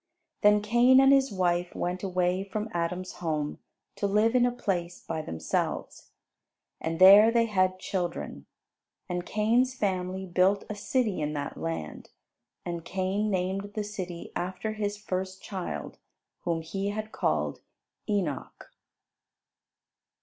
Then Cain and his wife went away from Adam's home to live in a place by themselves, and there they had children. And Cain's family built a city in that land; and Cain named the city after his first child, whom he had called Enoch.